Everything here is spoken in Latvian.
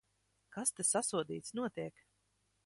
Kas te, sasodīts, notiek?